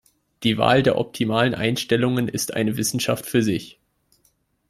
Die Wahl der optimalen Einstellungen ist eine Wissenschaft für sich.